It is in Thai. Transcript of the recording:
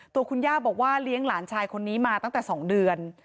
ตัวคุณย่าบอกว่าเลี้ยงหลานชายคนนี้มาตั้งแต่๒เดือน